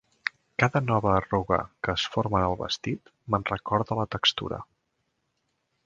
Cada nova arruga que es forma en el vestit me'n recorda la textura.